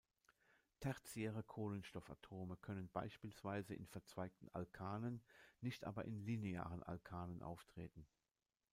Tertiäre Kohlenstoffatome können beispielsweise in verzweigten Alkanen, nicht aber in linearen Alkanen, auftreten.